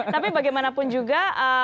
tapi bagaimanapun juga